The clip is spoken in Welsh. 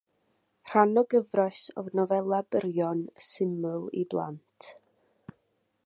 Rhan o gyfres o nofelau byrion, syml i blant.